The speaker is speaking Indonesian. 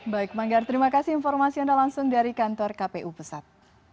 baik manggar terima kasih informasi anda langsung dari kantor kpu pusat